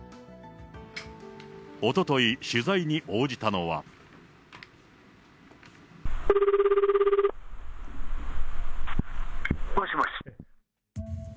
おととい、取材に応じたのは。もしもし？